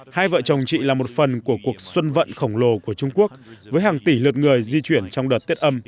hai vợ chồng chị là một phần của cuộc xuân vận khổng lồ của trung quốc với hàng tỷ lượt người di chuyển trong đợt tuyết âm